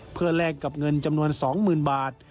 เพื่อแลกกับเงินจำนวน๒๐๐๐บาท